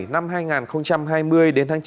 năm hai nghìn hai mươi đến tháng chín